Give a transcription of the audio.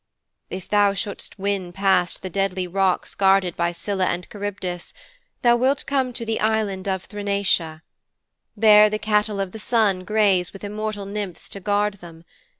"' '"If thou shouldst win past the deadly rocks guarded by Scylla and Charybdis thou wilt come to the Island of Thrinacia. There the Cattle of the Sun graze with immortal nymphs to guard them.